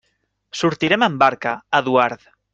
Sortirem amb barca, Eduard.